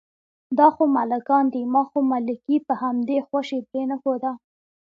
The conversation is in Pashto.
دا خو ملکان دي، ما خو ملکي په همدې خوشې پرېنښوده.